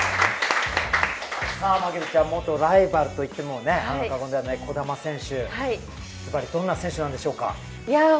元ライバルと言っても過言ではない児玉選手、ずばり、どんな選手なんでしょうか？